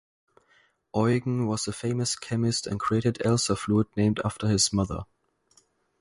Eugen was a famous chemist and created "Elsa fluid" named after his mother.